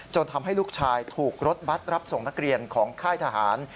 ทำให้ลูกชายถูกรถบัตรรับส่งนักเรียนของค่ายทหาร